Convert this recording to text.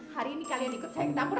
hari ini kalian ikut saya ke tapur